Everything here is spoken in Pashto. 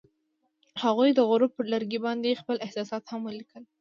هغوی د غروب پر لرګي باندې خپل احساسات هم لیکل.